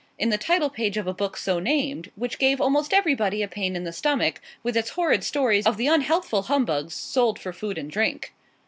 in the title page of a book so named, which gave almost everybody a pain in the stomach, with its horrid stories of the unhealthful humbugs sold for food and drink.